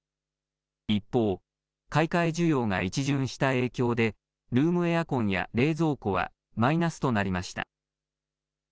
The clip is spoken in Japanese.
一方、買い替え需要が一巡した影響でルームエアコンや冷蔵庫はマイナスとなりました。